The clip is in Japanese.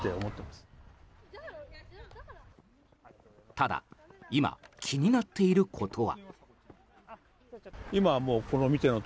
ただ、今気になっていることは。